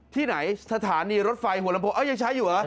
ที่ไหนสถานีรถไฟหัวลำโพเอ้ายังใช้อยู่เหรอ